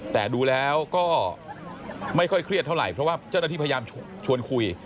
แต่ดูแล้วก็ไม่ค่อยเครียดเท่าไหร่เพราะว่าเจ้าหน้าที่พยายามชวนคุย